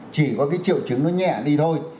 chỉ có cái triệu chứng nó nhẹ đi thôi